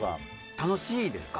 楽しいですか？